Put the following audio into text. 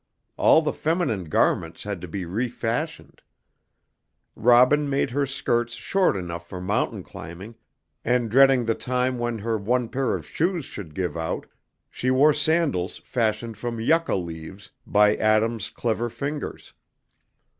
All the feminine garments had to be re fashioned. Robin made her skirts short enough for mountain climbing, and dreading the time when her one pair of shoes should give out, she wore sandals fashioned from yucca leaves by Adam's clever fingers.